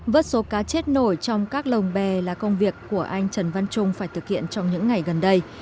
vớt số cá chết nổi trong các lồng bè là công việc của anh trần văn trung phải thực hiện trong những ngày gần đây